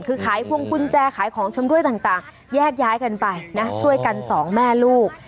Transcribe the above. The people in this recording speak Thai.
คือขายพวงกุญแจขายของชำรวยต่างแยกย้ายกันไปนะช่วยกันสองแม่ลูก